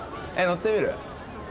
乗ってみる？